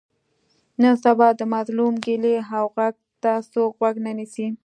نن سبا د مظلوم ګیلې او غږ ته څوک غوږ نه نیسي.